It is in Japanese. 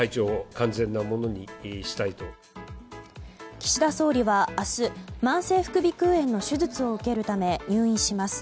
岸田総理は明日、慢性副鼻腔炎の手術を受けるため入院します。